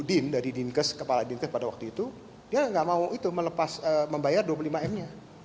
ibu din dari kepala dinkes pada waktu itu dia gak mau itu membayar dua puluh lima m nya